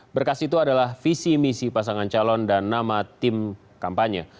berkas itu adalah visi misi pasangan calon dan nama tim kampanye